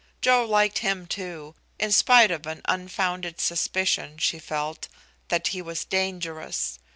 Joe liked him too, in spite of an unfounded suspicion she felt that he was dangerous.